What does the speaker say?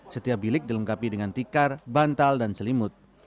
setiap bilik dilengkapi dengan tikar bantal dan selimut